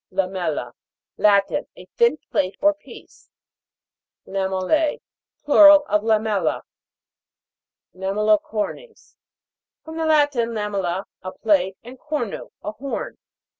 LAMEL'LA. Latin. A thin plate or piece. LAMEL'LA. Plural of lamella. LAMEL'LICORNES. From the Latin, lamella, a plate, and cornu, a horn.